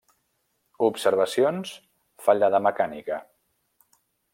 Observacions: fallada mecànica.